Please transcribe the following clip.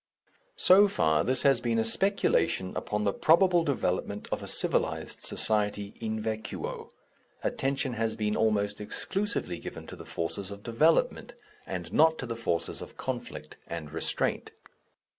So far, this has been a speculation upon the probable development of a civilized society in vacuo. Attention has been almost exclusively given to the forces of development, and not to the forces of conflict and restraint.